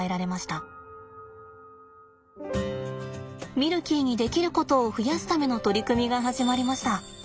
ミルキーにできることを増やすための取り組みが始まりました。